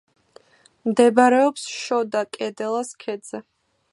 მდებარეობს შოდა-კედელას ქედზე.